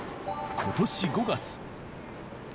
ことし５月。